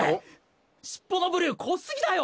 尻尾のブルー濃すぎだよ！